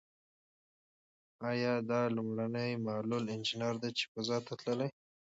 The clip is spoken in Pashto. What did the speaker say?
ایا دا لومړنۍ معلول انجنیر ده چې فضا ته تللې؟